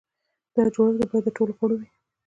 دا جوړښت باید د ټولو غړو لپاره وي.